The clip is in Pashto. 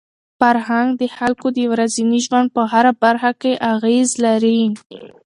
فرهنګ د خلکو د ورځني ژوند په هره برخه کي اغېز لري.